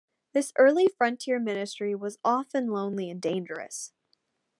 This early frontier ministry was often lonely and dangerous.